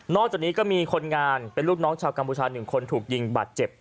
จากนี้ก็มีคนงานเป็นลูกน้องชาวกัมพูชา๑คนถูกยิงบาดเจ็บ